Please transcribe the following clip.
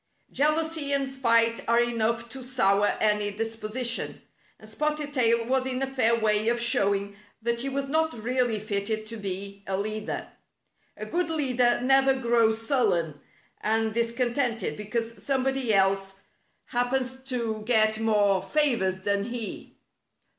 Jealousy and spite are enough to sour any disposition, and Spotted Tail was in a fair way of showing that he was not really fitted to be a leader. A good leader never grows sullen and discontented because somebody else happens to get more favors than he.